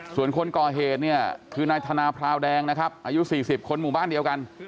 ส่วนคนก่อเหตุเนี่ยคือนายธนาพราวแดงนะครับอายุ๔๐คนหมู่บ้านเดียวกัน